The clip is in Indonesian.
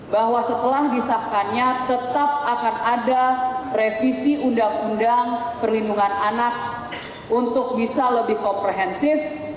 bahwa setelah disahkannya tetap akan ada revisi undang undang perlindungan anak untuk bisa lebih komprehensif